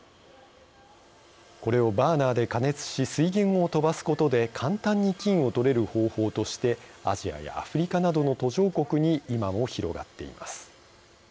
これをバーナーで加熱し水銀をとばすことで簡単に金を採れる方法としてアジアやアフリカなどの途上国に今も広がっています。